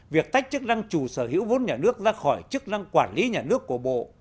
việc tách chức năng chủ sở hữu vốn nhà nước ra khỏi chức năng quản lý nhà nước của bộ